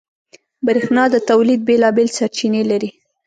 برېښنا د تولید بېلابېل سرچینې لري.